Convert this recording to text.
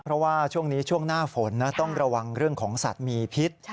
เพราะว่าช่วงนี้ช่วงหน้าฝนนะต้องระวังเรื่องของสัตว์มีพิษ